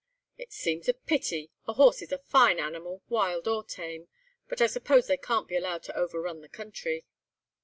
"It seems a pity. A horse is a fine animal, wild or tame, but I suppose they can't be allowed to over run the country."